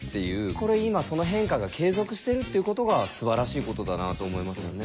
これ今その変化が継続してるっていうことがすばらしいことだなと思いますよね。